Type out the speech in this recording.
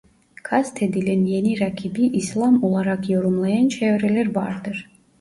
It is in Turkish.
Kastedilen yeni rakibi İslam olarak yorumlayan çevreler vardır.